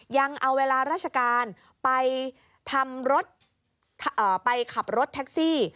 ยังเอาเวลาราชการไปทำรถไปขับรถแท็กซี่